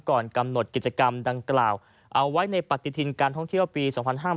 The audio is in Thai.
ก่อนกำหนดกิจกรรมดังกล่าวเอาไว้ในปฏิทินการท่องเที่ยวปี๒๕๕๙